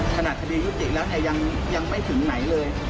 คดียุติแล้วเนี่ยยังไม่ถึงไหนเลย